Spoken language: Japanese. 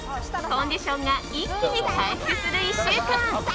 コンディションが一気に回復する１週間。